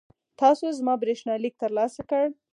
تاسو زما برېښنالیک ترلاسه کړی؟